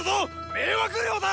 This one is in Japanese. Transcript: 迷惑料だ！